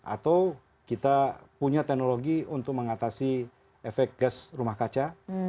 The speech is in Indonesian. atau kita punya teknologi untuk mengatasi efek gas rumah kaca